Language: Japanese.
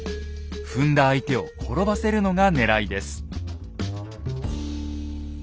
踏んだ相手を転ばせるのがねらいです。